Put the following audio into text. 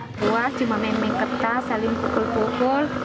dua cuma main main kertas saling pukul pukul